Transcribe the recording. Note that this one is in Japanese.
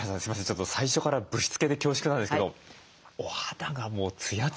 ちょっと最初からぶしつけで恐縮なんですけどお肌がもうツヤツヤでいらっしゃって。